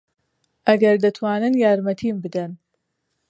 ئەگەر دەتوانن یارمەتیم بدەن.